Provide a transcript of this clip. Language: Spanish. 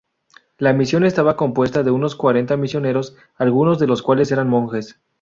La misión estaba compuesta de unos cuarenta misioneros, algunos de los cuales eran monjes.